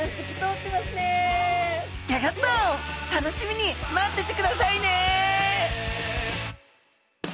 ギョギョッと楽しみにまっててくださいね！